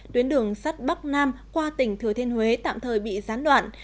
tuyến đường sắt bắc nam qua tỉnh thừa thiên huế tạm thời bị gián đoạn